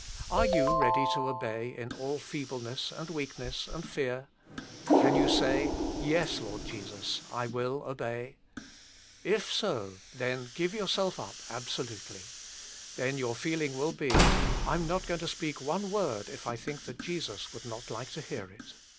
Are yoxx ready to obey in all feebleness and weakness and fear ? Can you say, JestLs Himself. 59 Ye8, Lord Jesus, I will obey?" If so, then give yourself up absolutely. Then your feeling will be, I am not going to speak one word if I think that Jesus would not like to hear it."